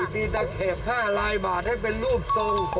ตีตะเข็บ๕ลายบาทให้เป็นรูปทรง